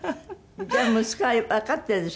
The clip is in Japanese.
じゃあ息子はわかってるでしょ